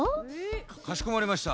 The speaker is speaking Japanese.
かしこまりました。